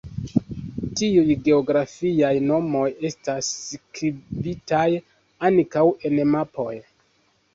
Tiuj geografiaj nomoj estas skribitaj ankaŭ en mapoj.